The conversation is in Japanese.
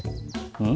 うん。